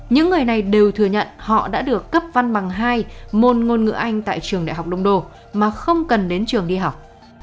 những người này đều thừa nhận họ đã được cấp văn bằng hai môn ngôn ngữ anh tại trường đại học đông đô mà không cần đến trường đi học